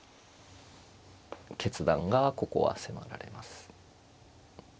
決断がここは迫られます。